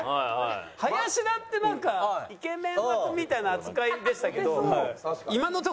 林田ってなんかイケメン枠みたいな扱いでしたけど。